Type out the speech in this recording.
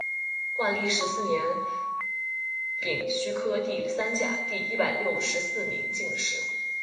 万历十四年丙戌科第三甲第一百六十四名进士。